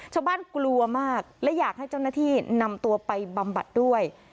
กลัวมากและอยากให้เจ้าหน้าที่นำตัวไปบำบัดด้วย